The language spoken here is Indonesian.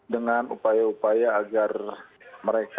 dengan upaya upaya agar mereka